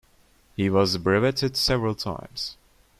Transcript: He was brevetted several times.